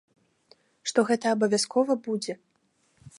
Што гэта абавязкова будзе.